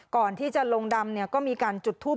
ก่อนที่จะลงดำเนี่ยก็มีการจุดทูป